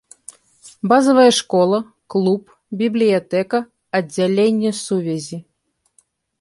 Базавая школа, клуб, бібліятэка, аддзяленне сувязі.